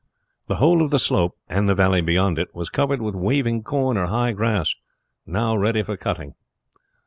The whole of the slope, and the valley beyond it was covered with waving corn or high grass, now ready for cutting.